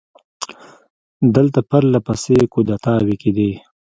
دلته پر له پسې کودتاوې کېدې.